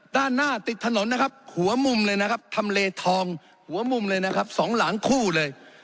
ด้านหน้าติดถนนนะครับหัวมุมเลยนะครับทำเลทองหัวมุมเลยนะครับสองหลังคู่เลย